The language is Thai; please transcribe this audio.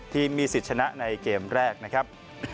มีสิทธิ์ชนะในเกมแรกนะครับ